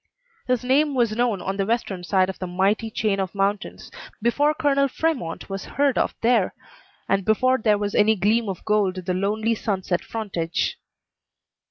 His name was known on the western side of the mighty chain of mountains before Colonel Fremont was heard of there, and before there was any gleam of gold on the lonely sunset frontage.